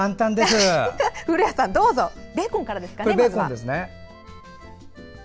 古谷さん、どうぞベーコンから。